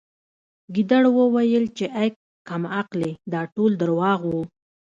ګیدړ وویل چې اې کم عقلې دا ټول درواغ وو